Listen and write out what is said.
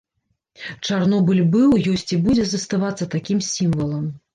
Чарнобыль быў, ёсць і будзе заставацца такім сімвалам.